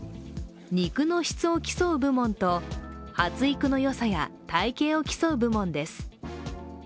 肉の質を競う部門と発育のよさや体型を競う部門です。